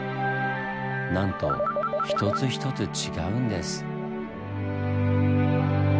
なんと一つ一つ違うんです。